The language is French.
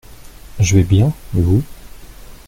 Je vais bien et vous ?